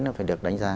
nó phải được đánh giá